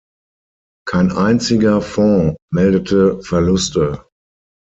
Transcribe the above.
Kein einziger Fonds meldete Verluste.